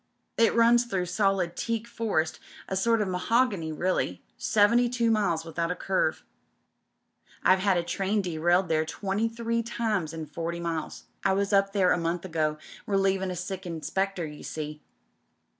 It runs through solid teak forest — a sort o' mahogany really — seventy two miles without a curve. I've had a train derail^rl. 336 TRAFFICS AND DISCOVERIES there twenty three times in foiiy miles. I was up there a month ago relievin' a sick inspector, you see.